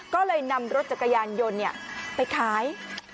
ก็เลยนำรถจักรยานยนต์ไปขาย